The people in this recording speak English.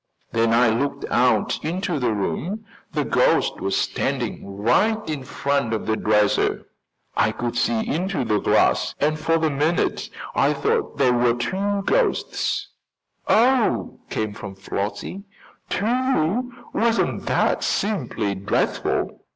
When I looked out into the room the ghost was standing right in front of the dresser. I could see into the glass and for the minute I thought there were two ghosts." "Oh!" came from Flossie. "Two! Wasn't that simply dreadful!"